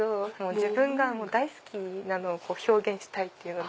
自分が大好きなのを表現したいっていうので。